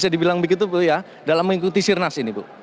dibilang begitu bu ya dalam mengikuti sirenas ini bu